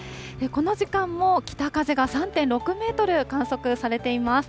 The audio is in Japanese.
この時間も北風が３．６メートル、観測されています。